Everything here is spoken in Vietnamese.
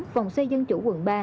phòng xây dân chủ quận ba